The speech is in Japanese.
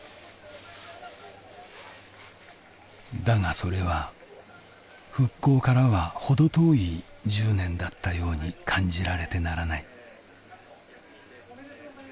だがそれは「復興」からは程遠い１０年だったように感じられてならない。